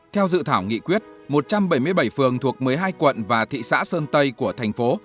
theo dự thảo nghị quyết một trăm bảy mươi bảy phường thuộc một mươi hai quận và thị xã sơn tây của thành phố